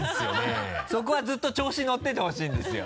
そこはずっと調子乗っててほしいんですよ。